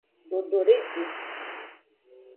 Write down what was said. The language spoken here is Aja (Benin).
Dododeji.